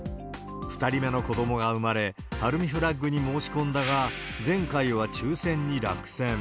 ２人目の子どもが産まれ、ハルミフラッグに申し込んだが、前回は抽せんに落選。